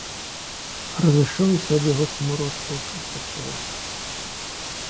Разышоўся ад яго смурод па ўсіх пакоях.